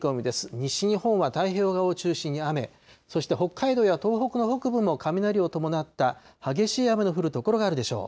西日本は太平洋側を中心に雨、そして北海道や東北の北部も、雷を伴った激しい雨の降る所があるでしょう。